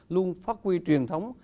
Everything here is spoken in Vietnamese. luôn phát huy truyền thống